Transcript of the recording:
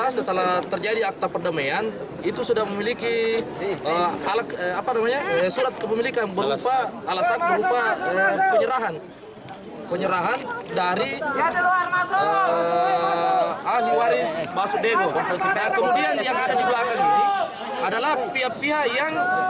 sangat ada cahaya